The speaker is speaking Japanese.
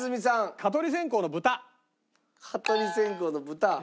蚊取り線香の豚。